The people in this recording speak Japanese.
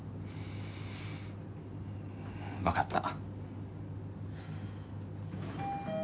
分かった。